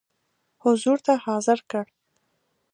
حضور ته حاضر کړ.